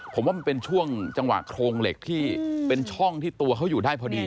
ผมว่ามันเป็นช่วงจังหวะโครงเหล็กที่เป็นช่องที่ตัวเขาอยู่ได้พอดี